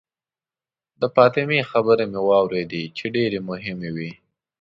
د فاطمې خبرې مې واورېدې چې ډېرې مهمې وې.